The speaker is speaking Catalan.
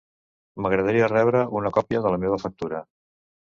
M'agradaria rebre una copia de la meva factura.